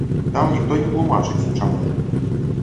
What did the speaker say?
Там ніхто не тлумачыць, чаму.